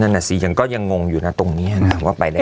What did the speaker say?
นั่นแหละสิก็ยังงงอยู่นะตรงนี้นะ